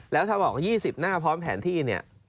แล้วถ้าบอกว่า๒๐หน้าพร้อมแผนที่เนี่ย